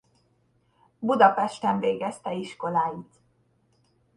Budapesten végezte iskoláit.